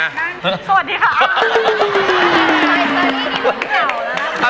สวัสดีครับ